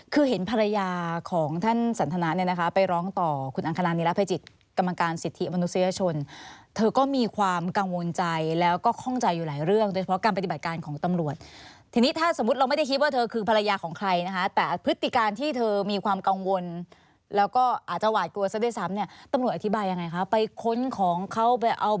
คือเห็นภรรยาของท่านสันธนาเนี่ยนะคะไปร้องต่อคุณอังคารานิรัติภัยจิตกำลังการสิทธิมนุษยชนเธอก็มีความกังวลใจแล้วก็คล่องใจอยู่หลายเรื่องโดยเฉพาะการปฏิบัติการของตำรวจทีนี้ถ้าสมมุติเราไม่ได้คิดว่าเธอคือภรรยาของใครนะครับแต่พฤติการที่เธอมีความกังวลแล้วก็อาจจะหวาดกล